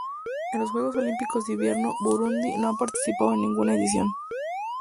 En los Juegos Olímpicos de Invierno Burundi no ha participado en ninguna edición.